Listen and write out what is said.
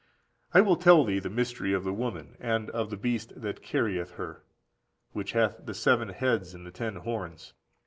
I will tell thee the mystery of the woman, and of the beast that carrieth her, which hath the seven heads and the ten horns.